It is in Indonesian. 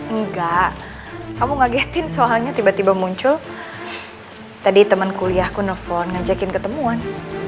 enggak kamu ngagetin soalnya tiba tiba muncul tadi temen kuliahku nelfon ngajakin ketemuan